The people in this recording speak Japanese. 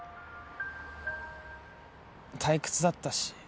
退屈だったし